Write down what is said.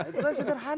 itu kan sederhana